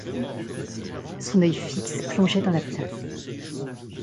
Son œil fixe plongeait dans la place.